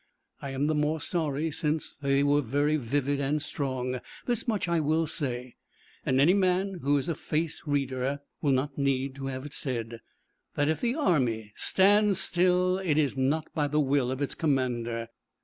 I am the more sorry, since they were very vivid and strong. This much I will say and any man who is a face reader will not need to have it said that if the Army stands still it is not by the will of its commander.